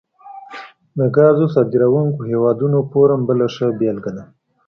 د ګازو صادرونکو هیوادونو فورم بله ښه بیلګه ده